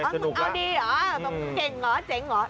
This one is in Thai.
เอาดีเหรอเจ๋งเหรอ